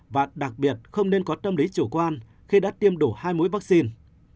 và đặc biệt không nên có tâm lý chủ quan khi đã tiêm đủ hai mũi vaccine